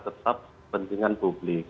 tetap pentingan publik